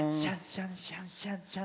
シャンシャンシャンシャン。